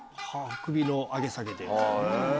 首の上げ下げで。